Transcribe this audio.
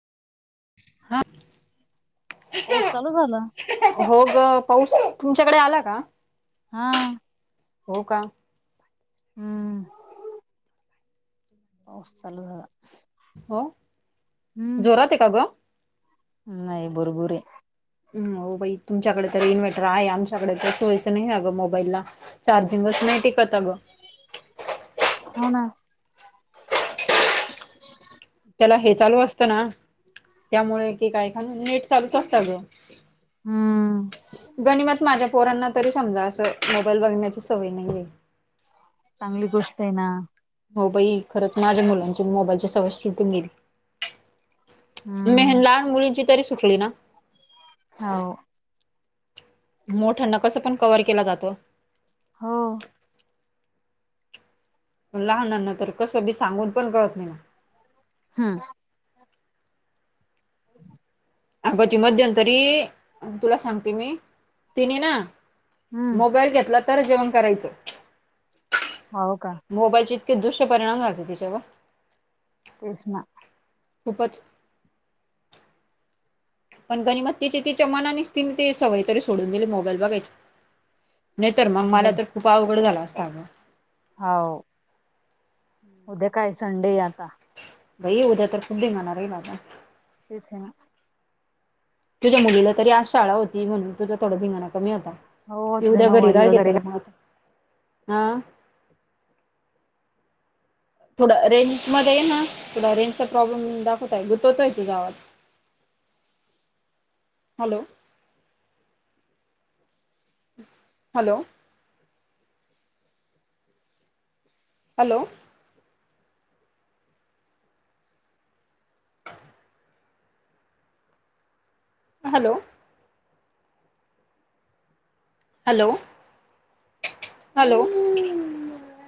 हा. हो चालू झाला. होग पाऊस तुमच्याकडे आला का? हा हा. हो का? हम्म. पाऊस चालू झाला. हो जोरात आहे का ग? हम्म नाही बर बर हे. बाई तुमच्याकडे तर इन्वहेटर आहे आमच्याकडे तर सोयचं नाही अगं मोबाईलला. चार्जिंगच नाही टिकत अ गं. होणा. [unintelligible] त्याला हे चालू असतं ना. त्यामुळे कि काय खाल नेट चालूच असतं. हम्म. गणिमत माझ्या पोरांना तरी समजा असं मोबाईल बघण्याची सवय नाही आहे. चांगली गोष्ट आहे ना. हो बाई खरंच माझ्या मुलांची मोबाईलची सवय सुटून गेली. हम्म. नई हे लहान मुलीची तरी सुटली ना? हाव. मोठ्यांना कसं पण कव्हवर केला जातो. हो. लहानना तर कसं मी सांगून पण कळत नाही ना. हम्म. [unintelligible] अबाची मध्यंतरी तुला सांगते मी तिने ना. हम्म मोबाईल घेतला तर जेवण करायचं. हो का मोबाईलचे इतके दुष्य परिणाम झालते तेच्यावर. तेच ना. खूपच. पण गणीमा तिची मनानेच ती मी ते सवय तरी सोडून दिली मोबाईल बघायची. नाही तर मग मला चांगलं तर खूप अवघड झाला असत अगं. होव. उद्या काय संडे आता. भाई उद्या तर खूप दिघणार आहेल आत. तेच आहे ना. तुझ्या मुलीला तरी आज शाळा होती म्हणून तुझा थोडा धिंगाणा कमी होता. हो ते आपलं उद्या घरी नऊवारी वगैरे राहिलीतर मग, हा? थोडा रेंज मध्ये या ना थोडा रेंज चा प्रॉब्लेम दाखवतय गुतवतोय तुझा आवाज. [inaudible] Hello. Hello. Hello. [unintelligible] Hello hello hello